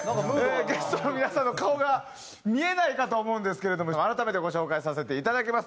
ゲストの皆さんの顔が見えないかと思うんですけれども改めてご紹介させていただきます。